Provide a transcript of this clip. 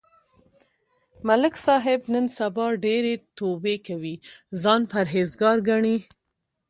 ملک صاحب نن سبا ډېرې توبې کوي، ځان پرهېز گار گڼي.